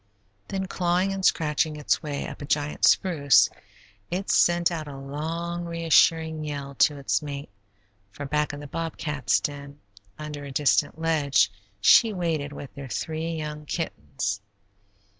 Then clawing and scratching its way up a giant spruce, it sent out a long, reassuring yell to its mate, for back in the bobcat's den, under a distant ledge, she waited with their three young kittens.